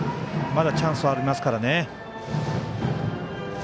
まだチャンスはありますからね。